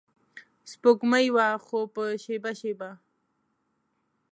سپوږمۍ وه خو په شیبه شیبه